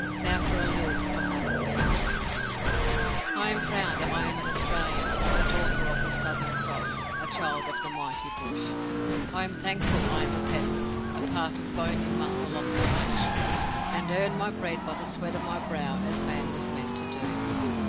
Now for a lilt of another theme: I am proud that I am an Australian, a daughter of the Southern Cross, a child of the mighty bush. I am thankful I am a peasant, a part of the bone and muscle of my nation, and earn my bread by the sweat of my brow, as man was meant to do.